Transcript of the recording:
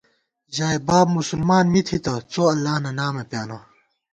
ژائے باب مسلمان می تھِتہ څو اللہ نہ نامہ پیانہ